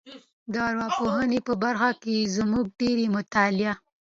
د ارواپوهنې په برخه کې زموږ ډېری مطالعه